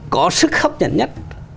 có sức hấp nhận nhất